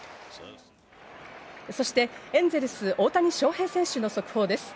そして、エンゼルス大谷翔平選手の速報です。